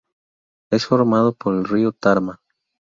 Es formado por el río Tarma.